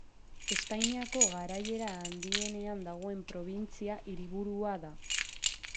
Espainiako garaiera handienean dagoen probintzia-hiriburua da.